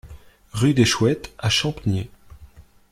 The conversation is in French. Rue des Chouettes à Champniers